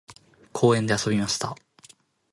公園で遊びました。